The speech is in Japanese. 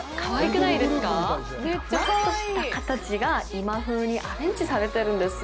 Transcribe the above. なんか、フワッとした形が今風にアレンジされてるんですよ。